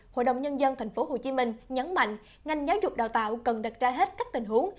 hội đồng nhân dân tp hcm nhấn mạnh ngành giáo dục đào tạo cần đặt ra hết các tình huống